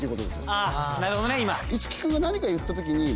あっなるほどね今。